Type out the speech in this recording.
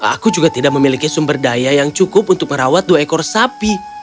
aku juga tidak memiliki sumber daya yang cukup untuk merawat dua ekor sapi